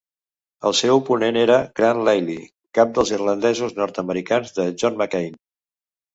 El seu oponent era Grant Lally, cap dels irlandesos-nord-americans de John McCain.